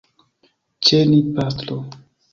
Ĉe ni, pastro.